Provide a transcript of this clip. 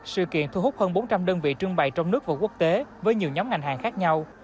sự kiện thu hút hơn bốn trăm linh đơn vị trưng bày trong nước và quốc tế với nhiều nhóm ngành hàng khác nhau